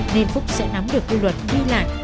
nên phúc sẽ nắm được quy luật đi lại